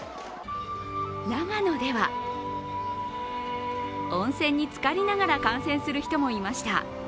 長野では温泉につかりながら観戦する人もいました。